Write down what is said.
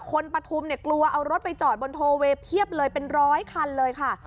ปฐุมเนี่ยกลัวเอารถไปจอดบนโทเวย์เพียบเลยเป็นร้อยคันเลยค่ะ